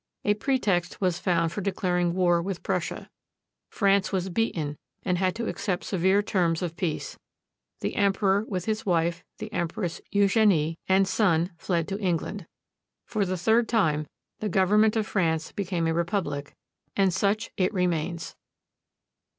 A pretext was found for declaring war with Prussia. France was beaten and had to accept severe terms of peace. The emperor with his wife, the Empress Eugenie, and son fled to England. For the third time, the govern ment of France became a republic, and such it remains.